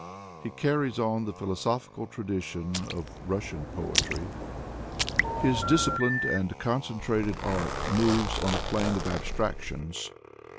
He carries on the philosophical tradition of Russian poetry. His disciplined and concentrated art moves on a plane of abstractions.